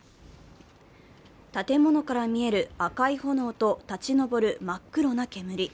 建物から見える赤い炎と立ち上る真っ黒な煙。